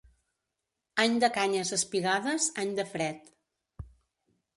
Any de canyes espigades, any de fred.